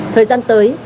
thời gian tới